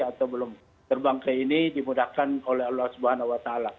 atau belum terbang ke ini dimudahkan oleh allah swt